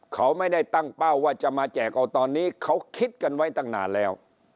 เขาไม่ได้ตั้งเป้าว่าจะมาแจกเอาตอนนี้เขาคิดกันไว้ตั้งนานแล้ว